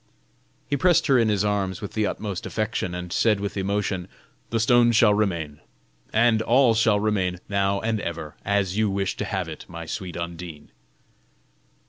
He pressed her in his arms with the utmost affection, and said with emotion: "The stone shall remain, and all shall remain, now and ever, as you wish to have it, my sweet Undine."